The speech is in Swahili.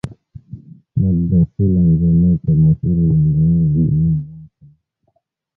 Mu bresila njo muko muhuru ya munene dunia yote